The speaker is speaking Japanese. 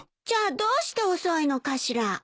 じゃあどうして遅いのかしら。